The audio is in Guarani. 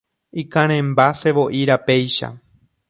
Ikarẽmba sevo'i rapéicha.